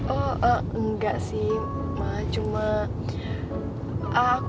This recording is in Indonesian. oh enggak sih cuma